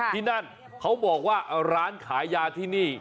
ที่นั่นเขาบอกว่าร้านขายยาที่นี่